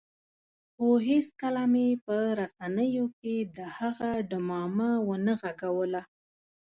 خو هېڅکله مې په رسنیو کې د هغه ډمامه ونه غږوله.